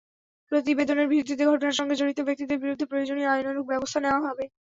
প্রতিবেদনের ভিত্তিতে ঘটনার সঙ্গে জড়িত ব্যক্তিদের বিরুদ্ধে প্রয়োজনীয় আইনানুগ ব্যবস্থা নেওয়া হবে।